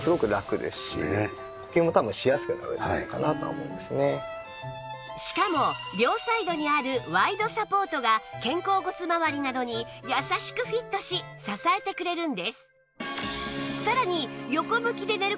これであればしかも両サイドにあるワイドサポートが肩甲骨まわりなどに優しくフィットし支えてくれるんです